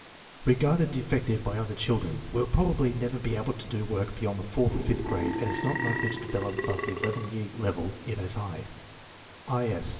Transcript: Regarded defective by other children. Will prob ably never be able to do work beyond the fourth or fifth grade and is noL likely to develop above the 11 year level, if as higu.